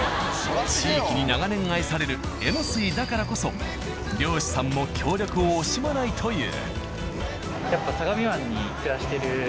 地域に長年愛されるえのすいだからこそ漁師さんも協力を惜しまないという。